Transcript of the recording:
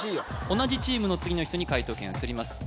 同じチームの次の人に解答権が移ります